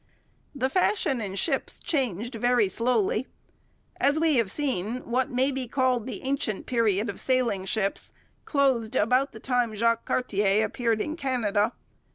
The fashion in ships changed very slowly. As we have seen, what may be called the ancient period of sailing ships closed about the time Jacques Cartier appeared in Canada.